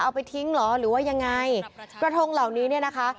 เอาไปทิ้งเหรอหรือว่ายังไงกระทงเหล่านี้เนี่ยนะคะ